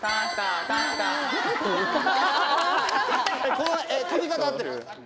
こうえ跳び方合ってる？